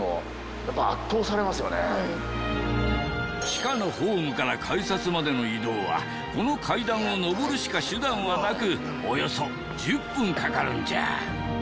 地下のホームから改札までの移動はこの階段を上るしか手段はなくおよそ１０分かかるんじゃ。